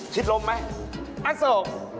ชิดลมไหมอ้าสก